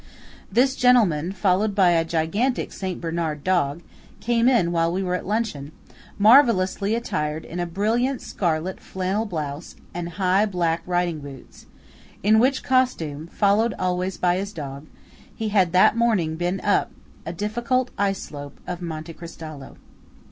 This gentleman, followed by a gigantic St. Bernard dog, came in while we were at luncheon, marvellously attired in a brilliant scarlet flannel blouse and high black riding boots; in which costume, followed always by his dog, he had that morning been up a difficult ice slope of Monte Cristallo.